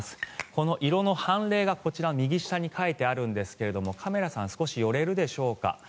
この色の凡例がこちら右下に書いてあるんですがカメラさん少し寄れるでしょうか。